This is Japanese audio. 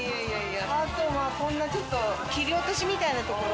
あとはこんなちょっと切り落としみたいなところ。